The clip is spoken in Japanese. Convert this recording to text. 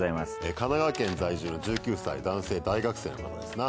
神奈川県在住の１９歳男性大学生の方ですな。